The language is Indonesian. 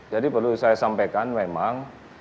jadi perlu saya sampaikan memang